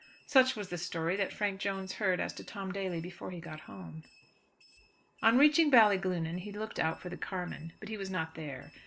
Such was the story that Frank Jones heard as to Tom Daly before he got home. On reaching Ballyglunin he looked out for the carman, but he was not there.